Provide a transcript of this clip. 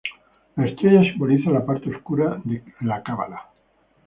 La estrella simboliza la parte oscura de Cábala.